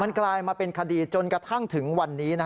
มันกลายมาเป็นคดีจนกระทั่งถึงวันนี้